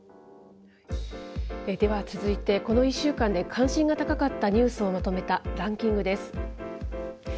では、続いてこの１週間で、関心が高まったニュースをまとめたランキングです。